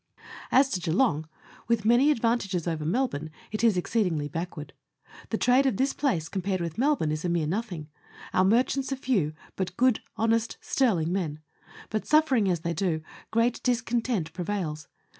As to Geelong with many advantages over Melbourne, it is exceedingly backward. The trade of this place compared with Melbourne is a mere nothing ; our merchants are few, but good honest sterling men ; but, suffering as they do, great discontent pre vails.